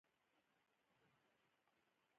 افغانستان د کابل سیند له پلوه ځانته ځانګړتیاوې لري.